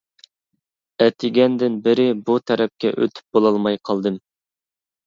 ئەتىگەندىن بېرى بۇ تەرەپكە ئۆتۈپ بولالماي قالدىم.